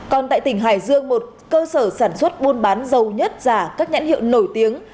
còn tại tỉnh hải dương một cơ sở sản xuất buôn bán dầu nhất giả các nhãn hiệu nổi tiếng